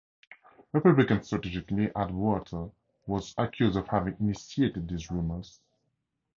Republican strategist Lee Atwater was accused of having initiated these rumors.